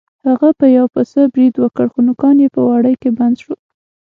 هغه په یو پسه برید وکړ خو نوکان یې په وړۍ کې بند شول.